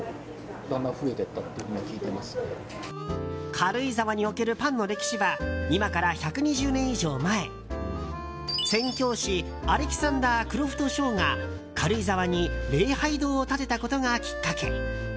軽井沢におけるパンの歴史は今から１２０年以上前宣教師、アレキサンダー・クロフト・ショーが軽井沢に礼拝堂を建てたことがきっかけ。